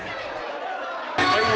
pemilik utama itu sudah silaturahmi